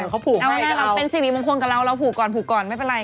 เอาล่ะเราเป็นสิริมงคลกับเรา